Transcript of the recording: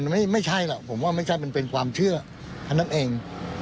มันไม่ใช่หรอกผมว่าไม่ใช่มันเป็นความเชื่ออันนั้นเอง